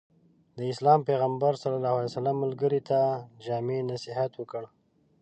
د اسلام پيغمبر ص ملګري ته جامع نصيحت وکړ.